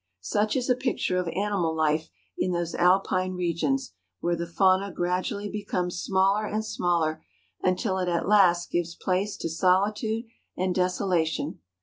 Such is a picture of animal life in those Alpine regions where the fauna gradually becomes smaller and smaller until it at last gives place to solitude and desolation.